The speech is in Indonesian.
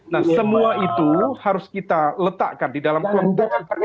nah semua itu harus kita letakkan di dalam kelompok